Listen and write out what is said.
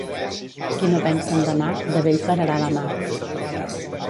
Qui no pensa en demà, de vell pararà la mà.